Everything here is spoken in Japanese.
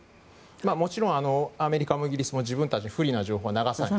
もちろんアメリカもイギリスも自分たちに不利な情報は流さない。